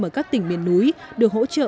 ở các tỉnh miền núi được hỗ trợ